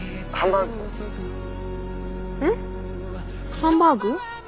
ハンバーグ？